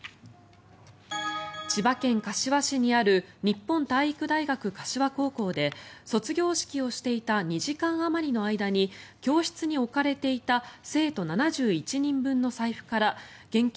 千葉県柏市にある日本体育大学柏高校で卒業式をしていた２時間あまりの間に教室に置かれていた生徒７１人分の財布から現金